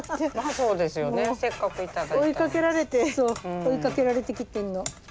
そう追いかけられて切ってんの。